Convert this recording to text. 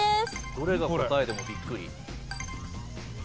どれが答えでもビックリ。